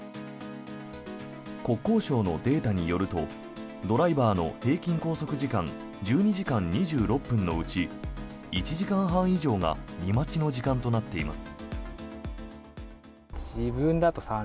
国交省のデータによるとドライバーの平均拘束時間１２時間２６分のうち１時間半以上が荷待ちの時間となっています。